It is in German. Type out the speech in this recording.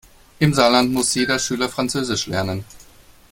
Im Saarland muss jeder Schüler französisch lernen.